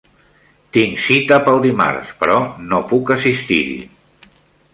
Tinc cita pel dimarts, però no puc assistir-hi.